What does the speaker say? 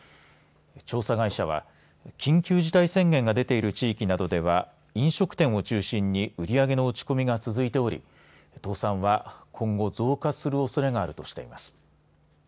調査会社は緊急事態宣言が出ている地域などでは飲食店を中心に売り上げの落ち込みが続いており倒産は今後増加するおそれがあるとしています。